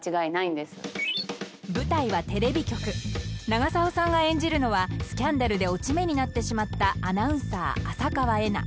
［長澤さんが演じるのはスキャンダルで落ち目になってしまったアナウンサー浅川恵那］